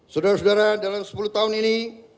sudah sudah dalam sepuluh tahun ini